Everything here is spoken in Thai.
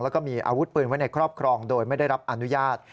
แล้วก็มีอาวุธปืนไว้ในครอบครองโดยไม่ได้รับอนุญาต